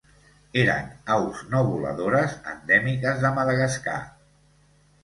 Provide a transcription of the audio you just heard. Eren aus no voladores endèmiques de Madagascar.